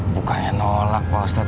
bukannya nolak pak ustadz